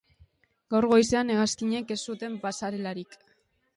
Gaur goizean hegazkinek ez zuten pasarelarik.